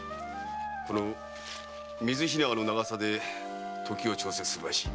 この水火縄の長さで時を調節するらしい。